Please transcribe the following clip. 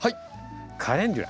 カレンデュラ。